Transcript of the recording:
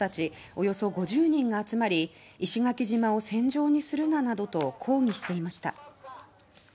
およそ５０人が集まり石垣島を戦場にするななどと抗議していました。